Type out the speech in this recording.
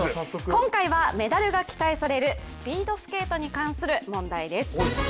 今回はメダルが期待されるスピードスケートに関する問題です。